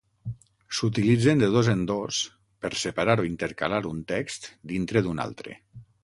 S'utilitzen de dos en dos per separar o intercalar un text dintre d'un altre.